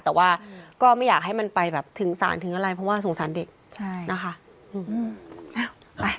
แต่ว่าก็ไม่อยากให้มันไปแบบถึงสารถึงอะไรเพราะว่าสงสารเด็กใช่นะคะ